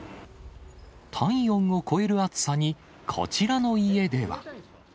体温を超える暑さに、こちらの家では。